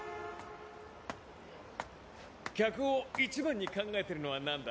・客を一番に考えてるのは何だ？